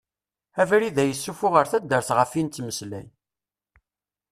Abrid-a yessufuɣ ar taddart ɣef i nettmeslay.